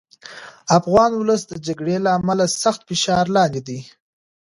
افغان ولس د جګړې له امله سخت فشار لاندې دی.